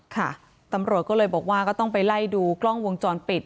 ค่ะตำรวจก็เลยบอกว่าก็ต้องไปไล่ดูกล้องวงจรปิด